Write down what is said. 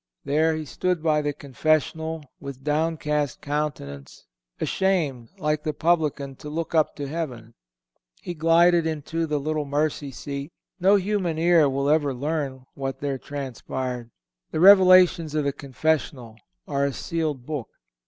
There he stood by the confessional, with downcast countenance, ashamed, like the Publican, to look up to heaven. He glided into the little mercy seat. No human ear will ever learn what there transpired. The revelations of the confessional are a sealed book.